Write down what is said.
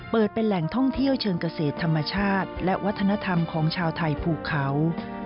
เป็นแหล่งท่องเที่ยวเชิงเกษตรธรรมชาติและวัฒนธรรมของชาวไทยภูเขา